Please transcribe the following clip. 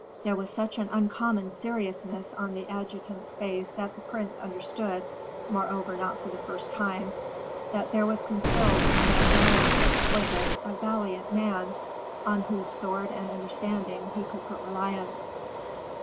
There was such uncommon seriousness on the adjutant's face that the prince understood, moreover not for the first time, that there was concealed in that riotous exquisite a valiant man, on whose sword and understanding he could put reliance.